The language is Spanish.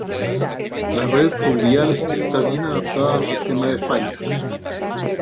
La red fluvial está bien adaptada al sistema de fallas.